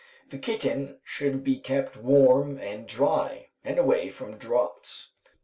The kitten should be kept warm and dry, and away from draughts.